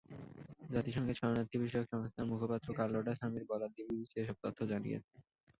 জাতিসংঘের শরণার্থীবিষয়ক সংস্থার মুখপাত্র কার্লোটা সামির বরাত দিয়ে বিবিসি এসব তথ্য জানিয়েছে।